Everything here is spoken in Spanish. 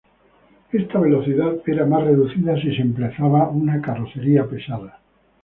Esta velocidad era más reducida si se emplazaba una carrocería pesada.